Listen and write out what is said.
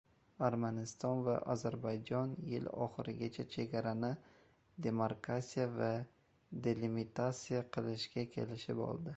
Armaniston va Ozarbayjon yil oxirigacha chegarani demarkasiya va delimitasiya qilishga kelishib oldi